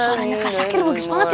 suaranya kaya sakit bagus banget ya